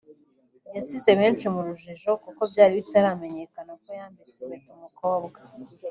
yasize benshi mu rujijo kuko byari bitaramenyekana ko yambitse impeta umukobwa